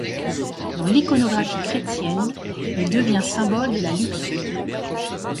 Dans l'iconographie chrétienne, il devient symbole de la luxure.